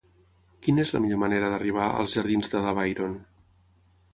Quina és la millor manera d'arribar als jardins d'Ada Byron?